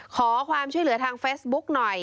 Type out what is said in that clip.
ขอความช่วยเหลือทางเฟซบุ๊กหน่อย